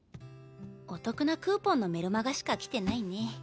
お得なクーポンのメルマガしか来てないね。